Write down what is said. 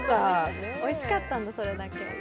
おいしかったんだ、それだけ。